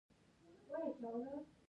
ایا ستاسو زړه به دریدي؟